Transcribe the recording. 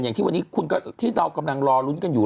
อย่างที่วันนี้คุณที่เรากำลังรอลุ้นกันอยู่